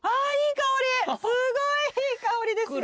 香りすごいいい香りですよ